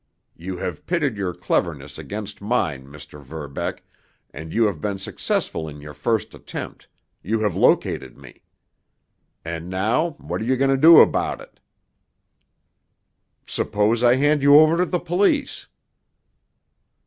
You have pitted your cleverness against mine, Mr. Verbeck, and you have been successful in your first attempt—you have located me. And now what are you going to do about it?" "Suppose I hand you over to the police?"